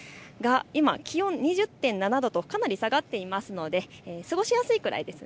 気温２０．７度とかなり下がっていますので過ごしやすいくらいです。